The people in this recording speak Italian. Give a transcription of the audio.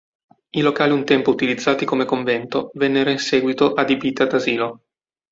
I locali un tempo utilizzati come convento vennero in seguito adibiti ad asilo.